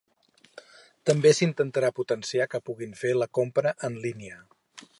També s’intentarà potenciar que puguin fer la compra en línia.